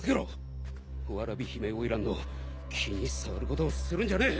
蕨姫花魁の気に障ることをするんじゃねえ！